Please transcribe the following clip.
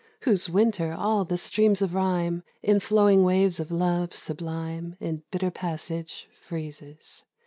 Whose winter all the streams of rhyme, The flowing waves of Love sublime, In bitter passage freezes.